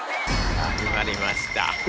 始まりました。